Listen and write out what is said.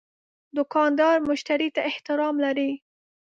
دوکاندار مشتری ته احترام لري.